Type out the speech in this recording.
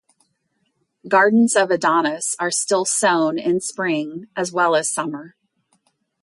Gardens of Adonis are still sown in spring as well as summer.